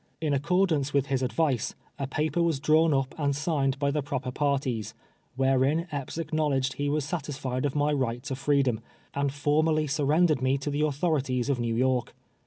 In accordance with his advice, a paper was drawn up and signed by the proper parties, wherein Epps acknowledged he was satisfied of my right to freedom, and formally surrendered me to the authori ties of Xew York.